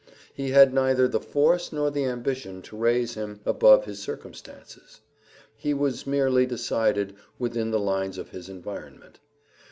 He had neither the force nor the ambition to raise him above his circumstances; he was merely decided within the lines of his environment.